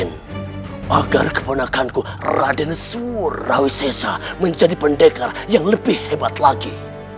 agar keponakanku raden surawisesa menjadi pendekar yang lebih hebat lagi